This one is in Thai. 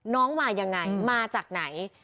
น้องมายังไงมาจากไหน